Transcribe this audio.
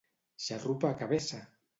Xarrupa, que vessa!